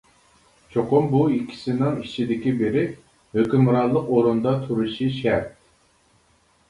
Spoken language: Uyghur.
چوقۇم بۇ ئىككىسىنىڭ ئىچىدىكى بىرى ھۆكۈمرانلىق ئورۇندا تۇرۇشى شەرت.